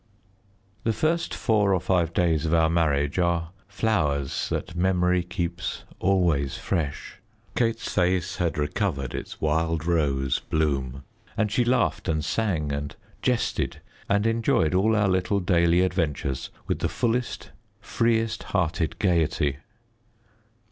The first four or five days of our marriage are flowers that memory keeps always fresh. Kate's face had recovered its wild rose bloom, and she laughed and sang and jested and enjoyed all our little daily adventures with the fullest, freest hearted gaiety.